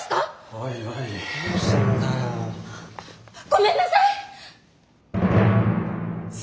ごめんなさい！